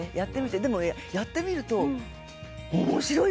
でも、やってみると面白い！